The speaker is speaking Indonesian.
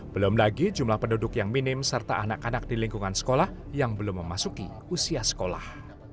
belum lagi jumlah penduduk yang minim serta anak anak di lingkungan sekolah yang belum memasuki usia sekolah